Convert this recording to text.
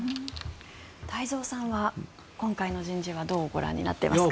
太蔵さんは、今回の人事はどうご覧になっていますか？